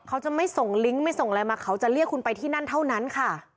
เขาจะไม่ส่งลิงก์ไม่ส่งอะไรมาเขาจะเรียกคุณไปที่นั่นเท่านั้นค่ะ